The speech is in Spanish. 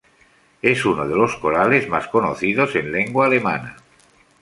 Es uno de los corales más conocidos en lengua alemana.